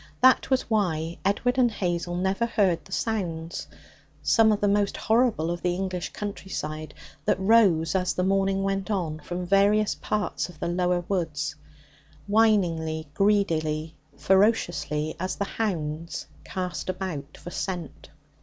That was why Edward and Hazel never heard the sounds some of the most horrible of the English countryside that rose, as the morning went on, from various parts of the lower woods, whiningly, greedily, ferociously, as the hounds cast about for scent.